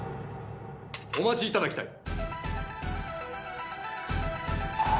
お待ちいただきたい。